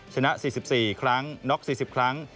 ชนะ๔๔ครั้งน็อก๔๐ครั้ง